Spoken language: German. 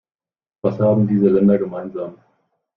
Was haben diese Länder gemeinsam?